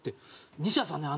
西田さんね